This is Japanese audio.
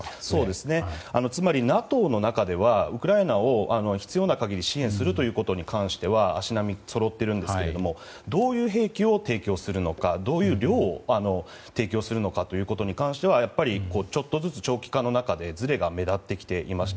つまり、ＮＡＴＯの中ではウクライナを必要な限り支援するということに関して足並みはそろっているんですがどういう兵器を提供するのかどういう量を提供するのかに関してはちょっとずつ長期化の中でずれが目立ってきていました。